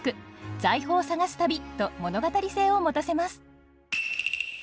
「財宝探す旅」と物語性を持たせます。